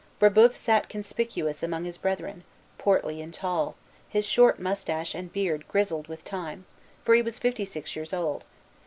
Brébeuf sat conspicuous among his brethren, portly and tall, his short moustache and beard grizzled with time, for he was fifty six years old.